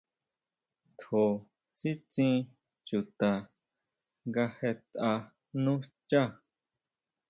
Tjó sitsín chuta nga jetʼa nú xchá.